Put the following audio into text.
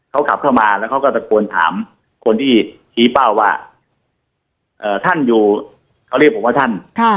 เขากลับเข้ามาแล้วเขาก็ตะโกนถามคนที่ชี้เป้าว่าท่านอยู่เขาเรียกผมว่าท่าน